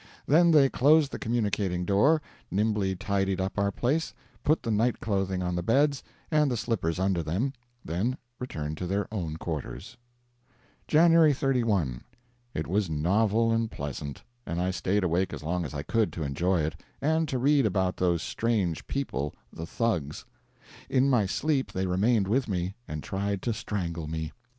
Then they closed the communicating door, nimbly tidied up our place, put the night clothing on the beds and the slippers under them, then returned to their own quarters. January 31. It was novel and pleasant, and I stayed awake as long as I could, to enjoy it, and to read about those strange people the Thugs. In my sleep they remained with me, and tried to strangle me.